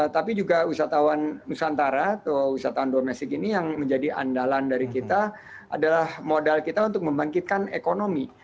tapi juga wisatawan nusantara atau wisatawan domestik ini yang menjadi andalan dari kita adalah modal kita untuk membangkitkan ekonomi